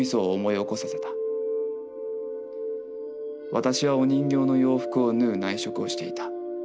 「私はお人形の洋服を縫う内職をしていた。